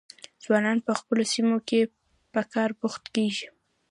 ځوانان په خپلو سیمو کې په کار بوخت کیږي.